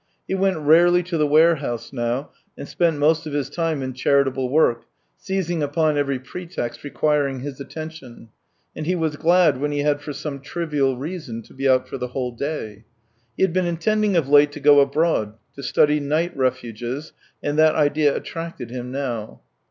He went rarely to the warehouse now, and spent most of his time in charitable work, seizing upon every pretext requiring his attention, and he was glad when he had for some trivial reason to be out for the whole day. He had been intending of late to go abroad, to study night refuges, and that idea attracted him now.